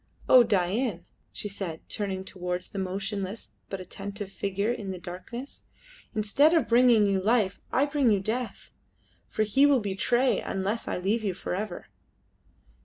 Oh, Dain," she said, turning towards the motionless but attentive figure in the darkness, "instead of bringing you life I bring you death, for he will betray unless I leave you for ever!"